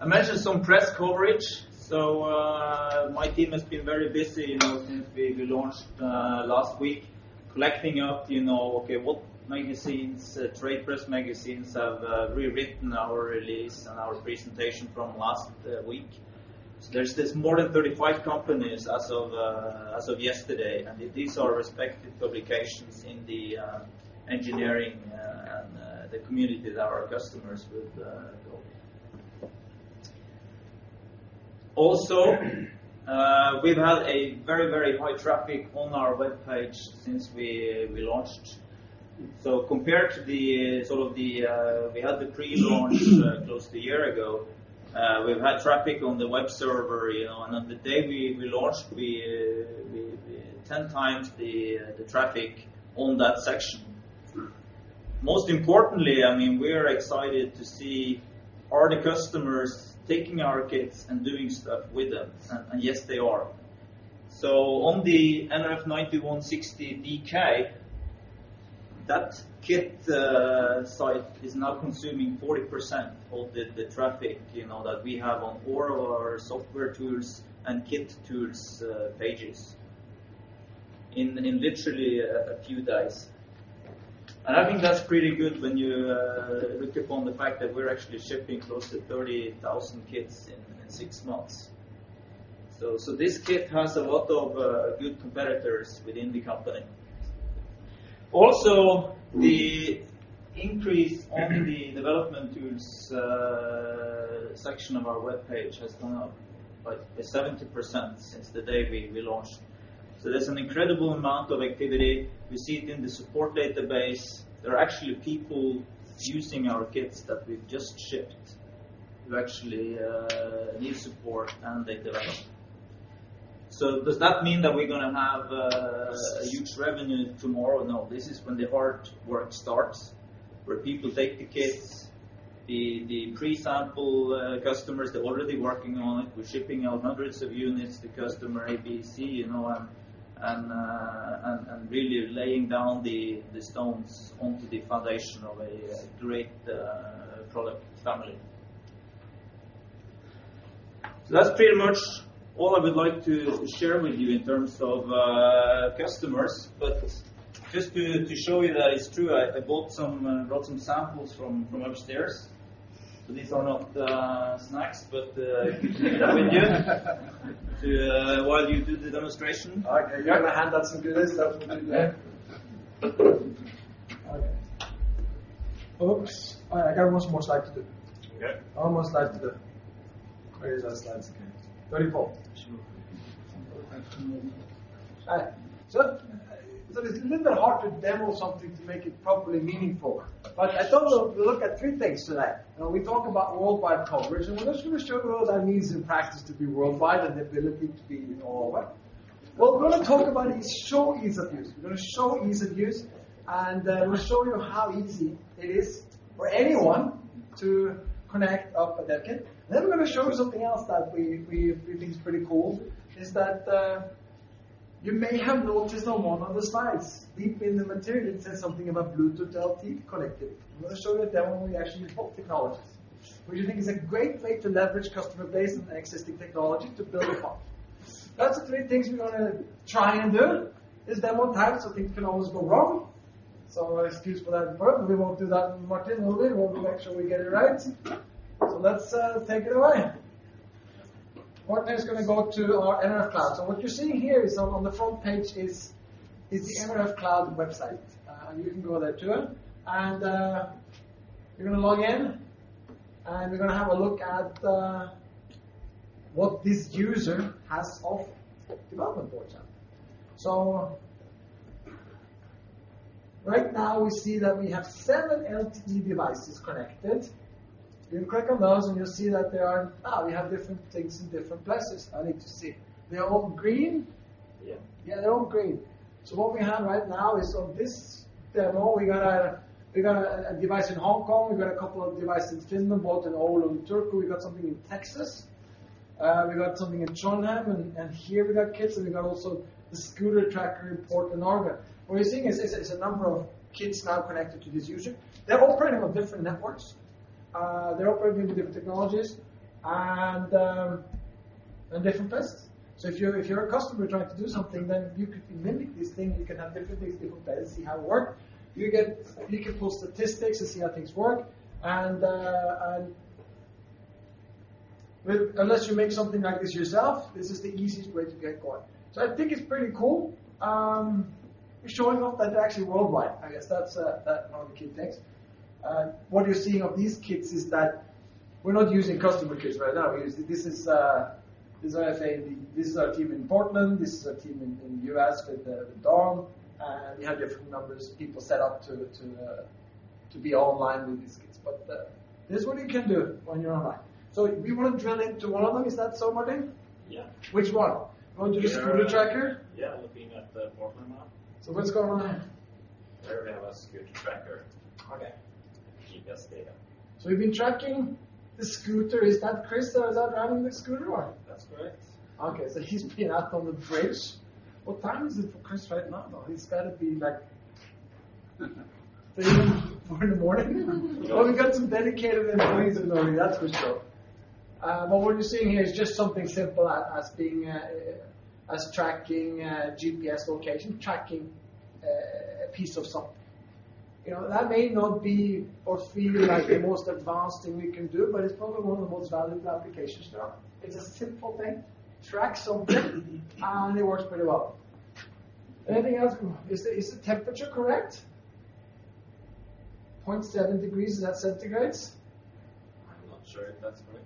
I mentioned some press coverage. My team has been very busy since we launched last week, collecting up, okay, what trade press magazines have rewritten our release and our presentation from last week. There's this more than 35 companies as of yesterday, and these are respective publications in the engineering and the community that our customers would go. Also, we've had a very, very high traffic on our webpage since we launched. Compared to the pre-launch close to a year ago, we've had traffic on the web server, and on the day we launched, 10 times the traffic on that section. Most importantly, we are excited to see, are the customers taking our kits and doing stuff with them? Yes, they are. On the nRF9160 DK, that kit site is now consuming 40% of the traffic that we have on all of our software tools and kit tools pages in literally a few days. I think that's pretty good when you look upon the fact that we're actually shipping close to 30,000 kits in six months. This kit has a lot of good competitors within the company. Also, the increase on the development tools section of our webpage has gone up by 70% since the day we launched. There's an incredible amount of activity. We see it in the support database. There are actually people using our kits that we've just shipped who actually need support and they develop. Does that mean that we're going to have a huge revenue tomorrow? No, this is when the hard work starts, where people take the kits, the pre-sample customers, they're already working on it. We're shipping out hundreds of units to customer A, B, C, and really laying down the stones onto the foundation of a great product family. That's pretty much all I would like to share with you in terms of customers. Just to show you that it's true, I brought some samples from upstairs. These are not snacks, but leave that with you to while you do the demonstration. Okay. You're going to hand out some goodies. That would be good. Yeah. Okay. Folks, I got one small slide to do. Yeah. One more slide to do. Where is that slide? 34. Sure. It's a little bit hard to demo something to make it properly meaningful, but I thought we'll look at three things today. We talk about worldwide coverage, and we're going to show you what that means in practice to be worldwide and the ability to be all over. We're going to talk about and show ease of use, and we'll show you how easy it is for anyone to connect up a dev kit. We're going to show you something else that we think is pretty cool is that you may have noticed on one of the slides, deep in the material, it says something about Bluetooth LE connected. We're going to show you a demo where we actually pop technologies. We think it's a great way to leverage customer base and existing technology to build upon. That's the three things we're going to try and do. It's demo time, things can always go wrong. Excuse for that in front. We won't do that, Martin, will we? We'll make sure we get it right. Let's take it away. Martin's going to go to our nRF Cloud. What you're seeing here on the front page is the nRF Cloud website. You can go there too, and we're going to log in, and we're going to have a look at what this user has off development portal. Right now we see that we have seven LTE devices connected. You can click on those, and you'll see that they are-- we have different things in different places. I need to see. They're all green? Yeah. What we have right now is on this demo, we got a device in Hong Kong. We've got a couple of devices in Finland, both in Oulu and Turku. We got something in Texas. We got something in China, and here we got kits, and we got also the scooter tracker in Portland, Oregon. What you're seeing is a number of kits now connected to this user. They're operating on different networks. They're operating with different technologies and different places. If you're a customer trying to do something, then you could mimic this thing. You can have different things, different places, see how it work. You can pull statistics to see how things work, and unless you make something like this yourself, this is the easiest way to get going. I think it's pretty cool. We're showing off that they're actually worldwide. I guess that one of the key things. What you're seeing of these kits is that we're not using customer kits right now. This is our team in Portland. This is our team in U.S. with Don. We have different numbers, people set up to be online with these kits. This is what you can do when you're online. We want to drill into one of them. Is that so, Martin? Yeah. Which one? Go to the scooter tracker? Yeah, looking at the Portland one. What's going on here? There we have a scooter tracker. Okay. GPS data. We've been tracking the scooter. Is that Chris there? Is that driving the scooter or what? That's correct. Okay, he's been out on the bridge. What time is it for Chris right now, though? It's got to be like 3:00 A.M. Well, we've got some dedicated employees in Norway, that's for sure. What we're seeing here is just something simple as tracking GPS location, tracking a piece of something. That may not be or feel like the most advanced thing we can do, but it's probably one of the most valuable applications there are. It's a simple thing. Track something, and it works pretty well. Anything else? Is the temperature correct? 0.7 degrees, is that degrees Celsius? I'm not sure if that's correct.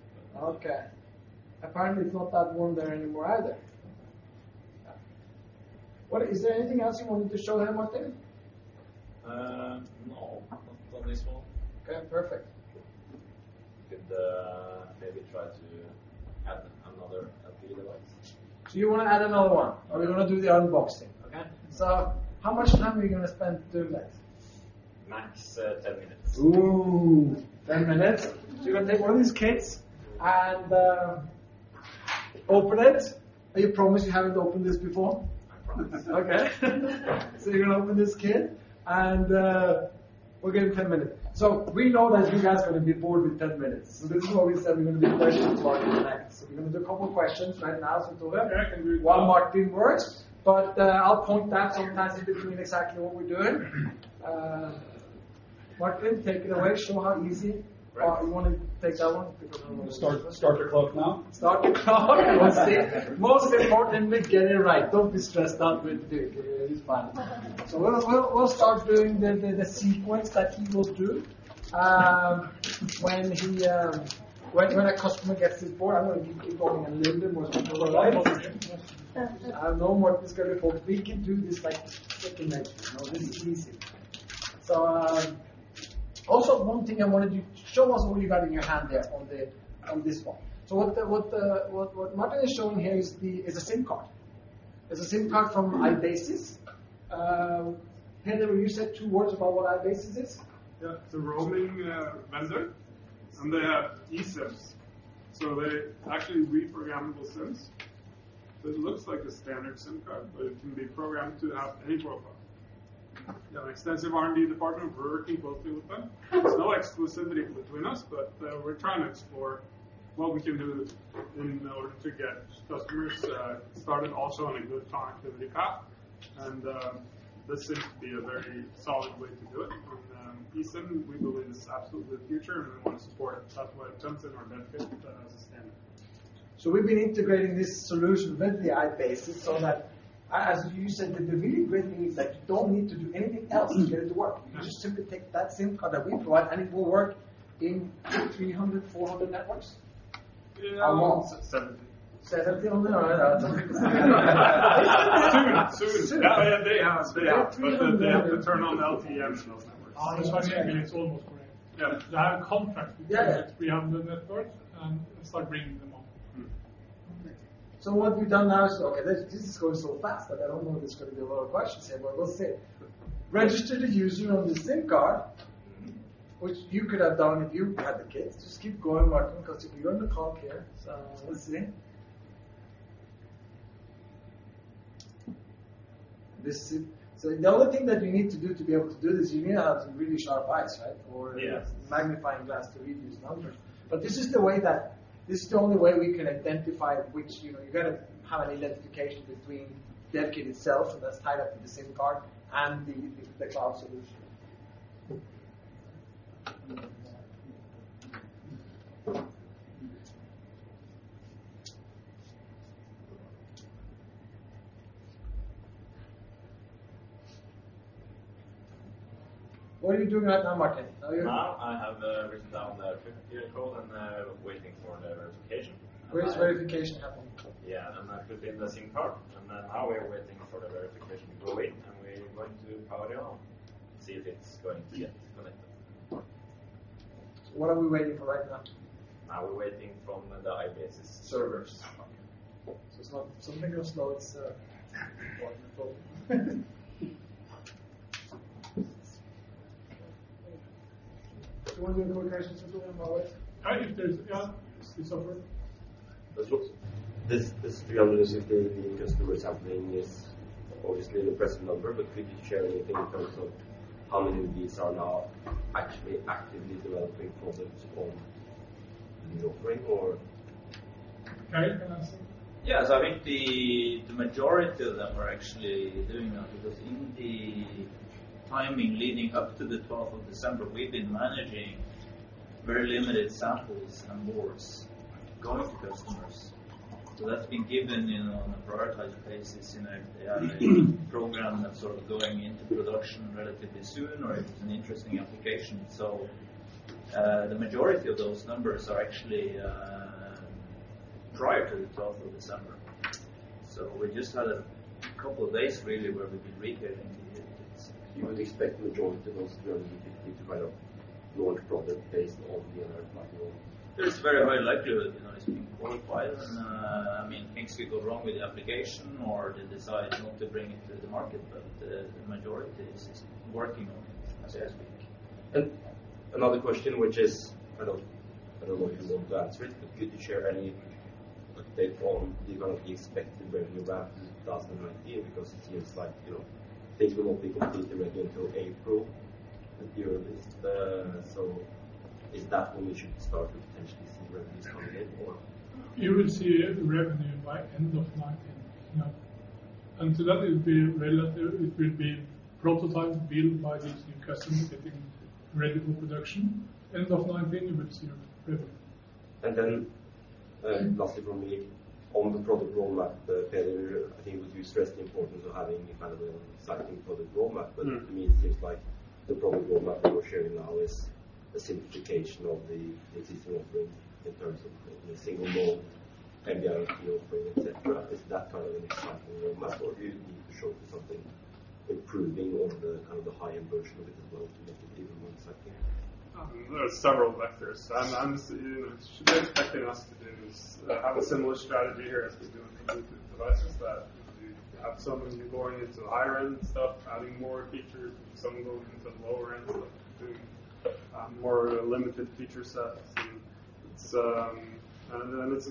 Okay, apparently, it's not that warm there anymore either. Yeah, is there anything else you wanted to show there, Martin? No, not on this one. Okay, perfect. Could maybe try to add another device. You want to add another one, or you want to do the unboxing? Okay. how much time are you going to spend doing that? Max 10 minutes. Ooh, 10 minutes. You're going to take one of these kits and open it. You promise you haven't opened this before? I promise. You're going to open this kit, and we'll give him 10 minutes. We know that you guys are going to be bored with 10 minutes. This is why we said we're going to do questions while you do that. We're going to do a couple of questions right now, Tor, while Martin works. I'll point out sometimes in between exactly what we're doing. Martin, take it away. Show how easy. Right. You want to take that one? Start the clock now. Start the clock. Let's see. Most importantly, get it right. Don't be stressed out with it. It's fine. We'll start doing the sequence that he will do when a customer gets this board. I'm going to keep it going a little bit more. I know Martin's got it, but we can do this like lightning. This is easy. Also, one thing I wanted you Show us what you got in your hand there on this one. What Martin is showing here is a SIM card. It's a SIM card from iBasis. Henrik, will you say two words about what iBasis is? Yeah. It's a roaming vendor, they have eSIMs. They're actually reprogrammable SIMs. It looks like a standard SIM card, but it can be programmed to have any profile. They have an extensive R&D department. We're working closely with them. There's no exclusivity between us, but we're trying to explore what we can do in order to get customers started also on a good connectivity path. This seems to be a very solid way to do it with an eSIM. We believe this is absolutely the future, and we want to support software attempts in our DevKit as a standard. We've been integrating this solution with the iBasis so that, as you said, the really great thing is that you don't need to do anything else to get it to work. You just simply take that SIM card that we provide, it will work in 300, 400 networks at once. 70. 700? All right. Soon. Soon. Yeah. They have, but they have to turn on LTE on those networks. It's almost there. Yeah. They have a contract with 300 networks, and they start bringing them on. Okay. What we've done now is okay, this is going so fast that I don't know if there's going to be a lot of questions here, but we'll see. Register the user on the SIM card, which you could have done if you had the kit. Just keep going, Martin, because if you're on the clock here. Let's see. The only thing that you need to do to be able to do this, you may have to have really sharp eyes, right? Yes. Or a magnifying glass to read these numbers. This is the only way we can identify. You got to have an identification between DevKit itself, so that's tied up to the SIM card, and the cloud solution. What are you doing right now, Martin? Tell me. Now I have written down the code and waiting for the verification. Where does verification happen? Yeah. I put in the SIM card, and now we're waiting for the verification to go in, and we're going to power it on, see if it's going to get connected. What are we waiting for right now? Now we're waiting from the iBasis- Servers. Some of your slots are important, Martin. Do you want any more questions, Tor, about it? If there's, yeah, it's over. Let's look. This 360 customers happening is obviously an impressive number, could you share anything in terms of how many of these are now actually actively developing concepts on your frame? Geir can answer. Yeah. I think the majority of them are actually doing that because in the timing leading up to the 12th of December, we've been managing very limited samples and boards going to customers. That's been given in on a prioritized basis in a program that's sort of going into production relatively soon or if it's an interesting application. The majority of those numbers are actually prior to the 12th of December. We just had a couple of days, really, where we've been retailing the units. You would expect the majority of those to be to kind of launch product based on the nRF91 module? There's a very high likelihood. It's been qualified. Things could go wrong with the application or the desire not to bring it to the market, the majority is working on it as we speak. Another question. I don't know if you want to answer it. Could you share any update on the kind of expected revenue ramp in 2019? Because it seems like things will not be completed really until April at the earliest. Is that when we should start to potentially see revenues coming in? You will see the revenue by end of 2019. Until that, it will be relatively prototype built by these new customers getting ready for production. End of 2019, you will see revenue. Lastly from me, on the product roadmap, Petter, I think you stressed the importance of having kind of an exciting product roadmap. To me, it seems like the product roadmap that you are sharing now is a simplification of the existing offering in terms of the single mode, NB-IoT offering, et cetera. Is that kind of an exciting roadmap, or do you need to show something improving on the kind of the high-end version of it as well to make it even more exciting? There are several vectors. You should be expecting us to do is have a similar strategy here as we do on competitive devices, that we have some of you going into higher-end stuff, adding more features, and some of them into lower-end stuff, doing more limited feature sets. It's a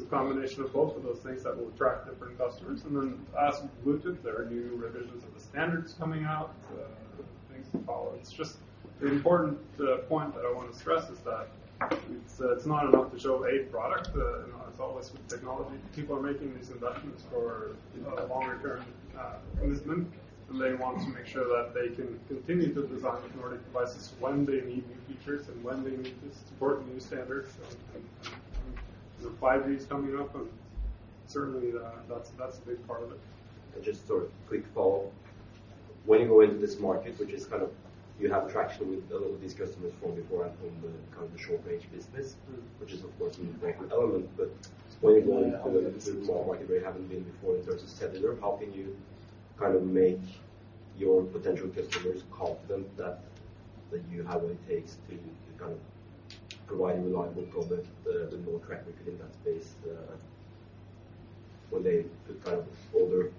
combination of both of those things that will attract different customers. As with Bluetooth, there are new revisions of the standards coming out, things to follow. The important point that I want to stress is that it's not enough to show a product. It's always with technology. People are making these investments for a longer-term commitment, and they want to make sure that they can continue to design Nordic devices when they need new features and when they need to support new standards. There's 5G coming up, and certainly that's a big part of it. Just sort of quick follow. When you go into this market, which is kind of, you have traction with a lot of these customers from before on the kind of the short-range business. Which is, of course, an important element. When you go into a completely new market where you haven't been before in terms of cellular, how can you kind of make your potential customers confident that you have what it takes to kind of provide a reliable product with no track record in that space when they kind of order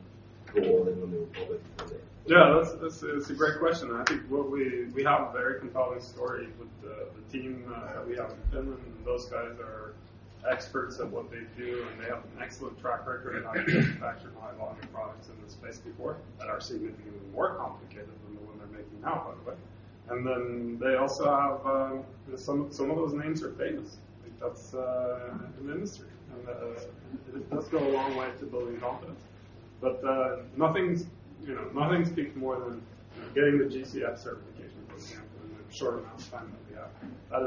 more and when they order from you? Yeah, that's a great question. I think we have a very compelling story with the team that we have in Finland. Those guys are experts at what they do, and they have an excellent track record of manufacturing high-volume products in this space before that are significantly more complicated than the one they're making now, by the way. Then they also have some of those names are famous, I think, in the industry. That does go a long way to building confidence. Nothing speaks more than getting the GCF certification, for example, in the short amount of time that we have. That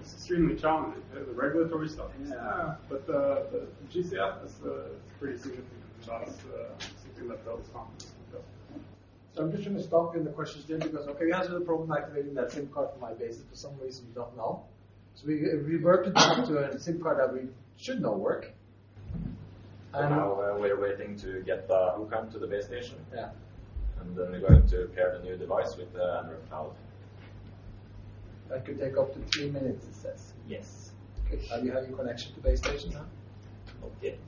is extremely challenging, the regulatory stuff. Yeah. The GCF is pretty significant to us, something that builds confidence in customers. I'm just going to stop you in the questions, Jim, because, okay, we answered the problem activating that SIM card for iBasis for some reason we don't know. We reverted back to a SIM card that we should know work. Now we're waiting to get the hookup to the base station. Yeah. Then we're going to pair the new device with the nRF Cloud. That could take up to two minutes, it says. Yes. Okay. Are you having connection to base station now? Not yet.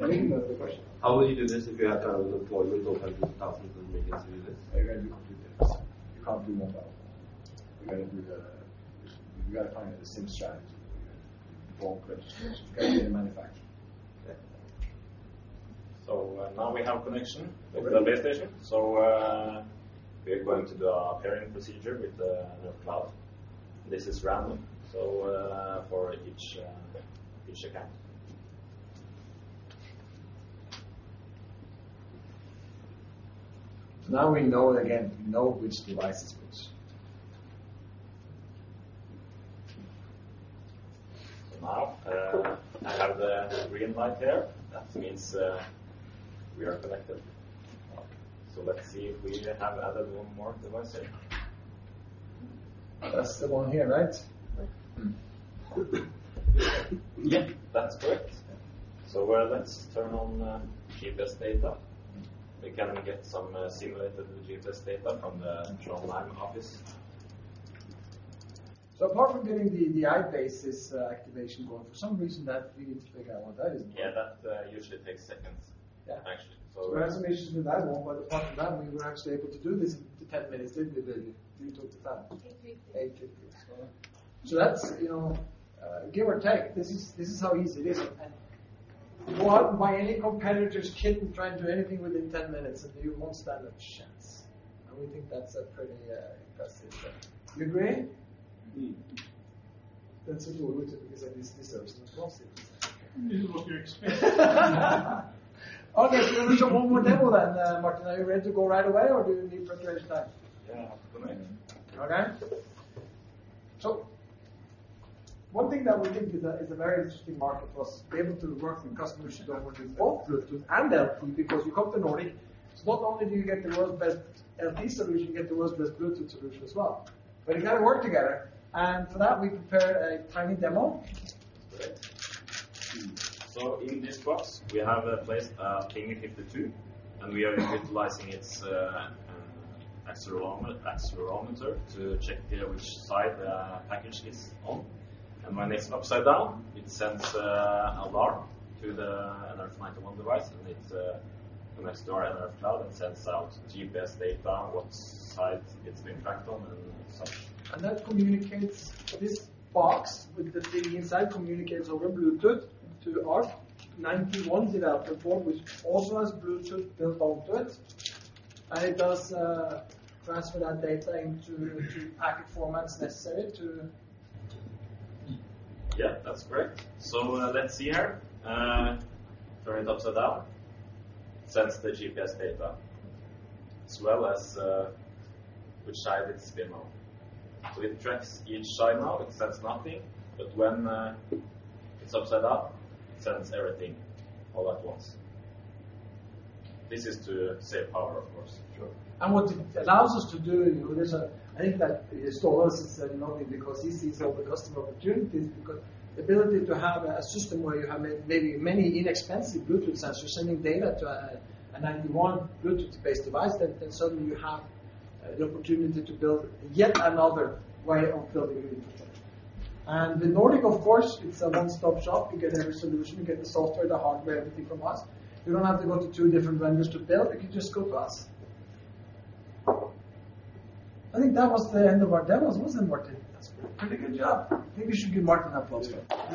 Okay. Any other question? How will you do this if you have done a deploy with over 2,000 units? You're going to be completely pissed. You can't do mobile. You got to find a SIM strategy in bulk registration. You can do the manufacturing. Yeah. Now we have connection with the base station. We are going to do a pairing procedure with the nRF Cloud. This is random, so for each account. Now we know again, we know which device is which. Now I have the green light here. That means we are connected. Let's see if we have added one more device here. That's the one here, right? Yeah, that's correct. Yeah. Let's turn on GPS data. We can get some simulated GPS data from John Lamm in office. Apart from getting the iBasis activation going, for some reason that we need to figure out why that. Yeah, that usually takes seconds. Yeah. Actually. We had some issues with that one, but apart from that, we were actually able to do this in 10 minutes, didn't we, did it? We took the time. Eight, 50. 850. Give or take, this is how easy it is. Go out by any competitor's kit and try and do anything within 10 minutes, and you won't stand a chance. We think that's a pretty impressive demo. Do you agree? That's it. We'll let him because at least he deserves an applause here. This is what we expect. Okay, we will show one more demo then, Martin. Are you ready to go right away, or do you need preparation time? Yeah, I have to connect. One thing that we think is a very interesting market was be able to work with customers who don't want to do both Bluetooth and LTE because you come to Nordic. Not only do you get the world's best LTE solution, you get the world's best Bluetooth solution as well. You got to work together, for that, we prepared a tiny demo. Great. In this box, we have placed an nRF52, we are utilizing its accelerometer to check here which side the package is on. When it's upside down, it sends an alarm to the nRF91 device, it connects to our nRF Cloud and sends out GPS data, what side it's been tracked on, and such. That communicates this box with the thing inside communicates over Bluetooth to our 91 developer board, which also has Bluetooth built onto it. It does transfer that data into packet formats necessary to. Yeah, that's correct. Let's see here. Turn it upside down. Sends the GPS data as well as which side it's been on. It tracks each side now, it sends nothing, but when it's upside up, it sends everything all at once. This is to save power, of course. Sure. What it allows us to do, and I think that this draws us to Nordic because this is all the customer opportunities. The ability to have a system where you have maybe many inexpensive Bluetooth sensors sending data to a 91 Bluetooth-based device, then suddenly you have the opportunity to build yet another way of building a new device. With Nordic, of course, it's a one-stop shop. You get every solution, you get the software, the hardware, everything from us. You don't have to go to two different vendors to build. You can just go to us. I think that was the end of our demos, wasn't it, Martin? That's pretty good job. Maybe we should give Martin applause for that.